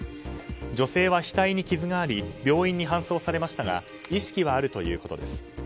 女性は額に傷があり病院に搬送されましたが意識はあるということです。